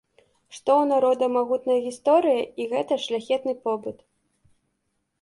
Што ў народа магутная гісторыя і гэты шляхетны побыт.